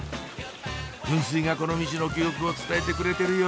噴水がこのミチの記憶を伝えてくれてるよ